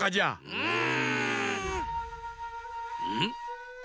うん？